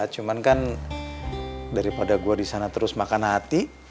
cuman kan daripada gue disana terus makan hati